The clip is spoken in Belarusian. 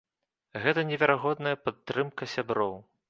Гэта неверагодная падтрымка сяброў!